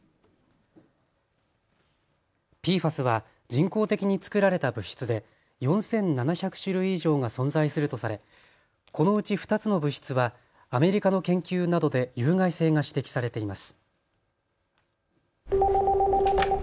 ＰＦＡＳは人工的に作られた物質で４７００種類以上が存在するとされこのうち２つの物質はアメリカの研究などで有害性が指摘されています。